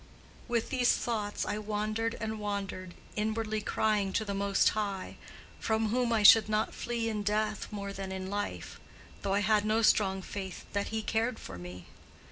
With these thoughts I wandered and wandered, inwardly crying to the Most High, from whom I should not flee in death more than in life—though I had no strong faith that He cared for me.